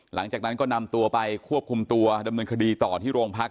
หลังจากนั้นก็นำตัวไปควบคุมตัวดำเนินคดีต่อที่โรงพัก